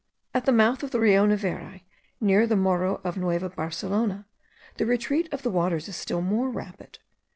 At the mouth of the Rio Neveri, near the Morro of Nueva Barcelona, the retreat of the waters is still more rapid.